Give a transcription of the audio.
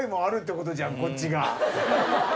こっちが。